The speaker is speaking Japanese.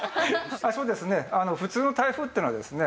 そうですね普通の台風っていうのはですね